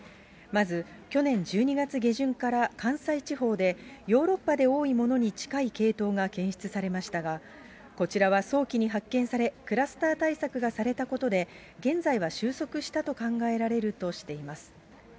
まず、去年１２月下旬から関西地方で、ヨーロッパで多いものに近い系統が検出されましたが、こちらは早期に発見され、クラスター対策がされたことで、現在は収束したと考えられるとしています。